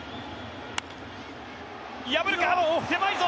破るか、狭いぞ。